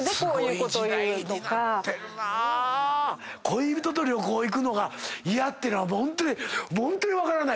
恋人と旅行行くのが嫌っていうのはホントに分からない！